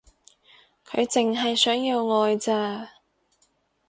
佢淨係想要愛咋